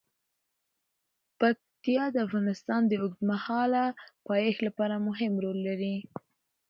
پکتیا د افغانستان د اوږدمهاله پایښت لپاره مهم رول لري.